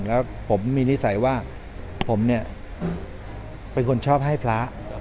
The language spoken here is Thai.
แล้วผมมีนิสัยว่าผมเนี่ยเป็นคนชอบให้พระ